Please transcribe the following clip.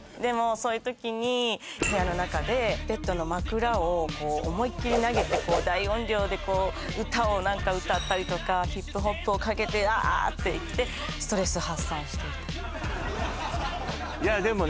そういう時に部屋の中でベッドの枕をこう思いっきり投げてこう大音量でこう歌を何か歌ったりとかＨＩＰＨＯＰをかけてあって言ってストレス発散していたいやでもね